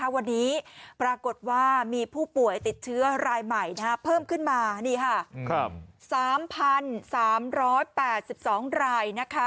วันนี้ปรากฏว่ามีผู้ป่วยติดเชื้อรายใหม่เพิ่มขึ้นมา๓๓๘๒ราย